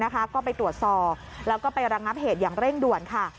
ก็ไปตรวจสอบแล้วก็ไประงับเหตุอย่างเร่งด่วนค่ะ